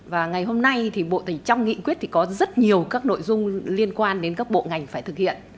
và ngày hôm nay thì bộ tỉnh trong nghị quyết thì có rất nhiều các nội dung liên quan đến các bộ ngành phải thực hiện